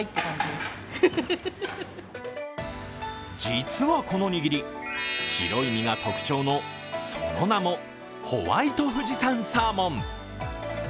実はこの握り、白い身が特徴の、その名もホワイト富士山サーモン。